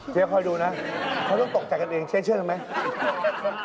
คอยดูนะเขาต้องตกใจกันเองเจ๊เชื่อไหม